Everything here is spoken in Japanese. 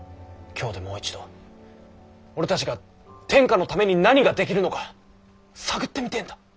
京でもう一度俺たちが天下のために何ができるのか探ってみてぇんだ。